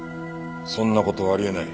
そんな事はあり得ない。